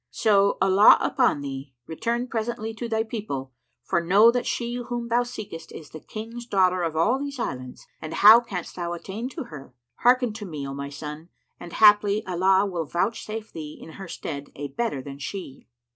So, Allah upon thee, return presently to thy people, for know that she whom thou seekest is the King's daughter of all these islands: and how canst thou attain to her? Hearken to me, O my son, and haply Allah will vouchsafe thee in her stead a better than she."